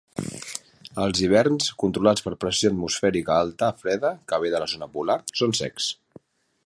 Els hiverns, controlats per pressió atmosfèrica alta freda que ve de la zona polar, són secs.